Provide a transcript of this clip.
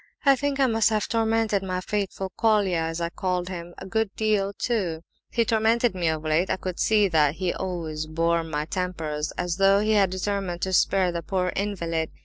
I think I must have tormented 'my faithful Colia' (as I called him) a good deal too. He tormented me of late; I could see that he always bore my tempers as though he had determined to 'spare the poor invalid.